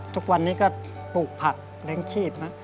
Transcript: ทุกวันนี้ก็ปลูกผักเลี้ยงชีพนะ